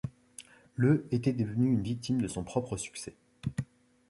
Le ' était devenu une victime de son propre succès.